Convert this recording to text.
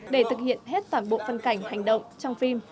để thực hiện hết toàn bộ phân cảnh hành động trong phim